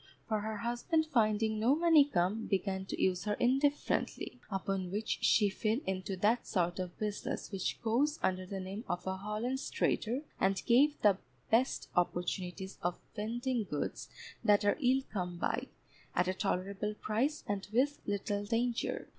For her husband finding no money come, began to use her indifferently, upon which she fell into that sort of business which goes under the name of a Holland's Trader, and gave the best opportunities of vending goods that are ill come by, at a tolerable price, and with little danger.